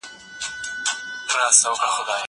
زه اجازه لرم چي سبزیحات تيار کړم؟!